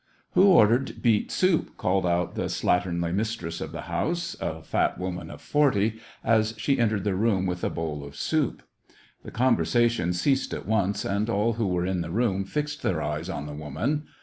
Who ordered beet soup ?" called out the slat ternly mistress of the house, a fat woman of forty, as she entered the room with a bowl of soup. The conversation ceased at once, and all who were in the room fixed their eyes on the woman.